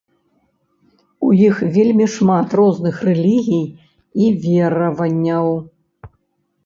У іх вельмі шмат розных рэлігій і вераванняў.